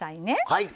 はい！